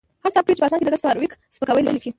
هغه سافټویر چې په اسمان کې د ګس فارویک سپکاوی لیکي